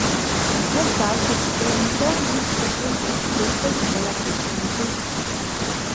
WhatsApp se popularizó en muy poco tiempo, y esto llamó la atención de Facebook.